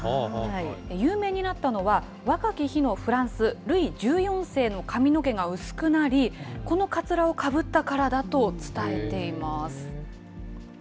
有名になったのは、若き日のフランス・ルイ１４世の髪の毛が薄くなり、このかつらをかぶったからだと伝えています。